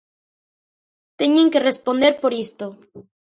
Teñen que responder por isto...